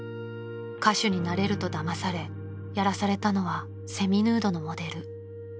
［歌手になれるとだまされやらされたのはセミヌードのモデル］